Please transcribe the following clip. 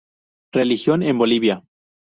Religión en Bolivia